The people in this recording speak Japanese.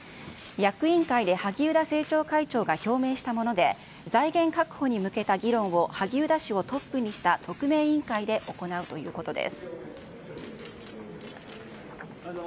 役員会で萩生田政調会長が表明したもので財源確保に向けた議論を萩生田氏をトップにした特命委員会で行うということです。